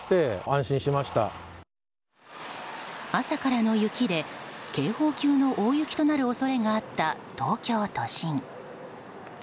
朝からの雪で警報級の大雪となる恐れがあった東京都心。